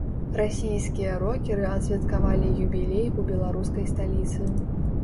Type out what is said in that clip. Расійскія рокеры адсвяткавалі юбілей у беларускай сталіцы.